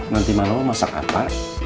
nanti malem mau masak apa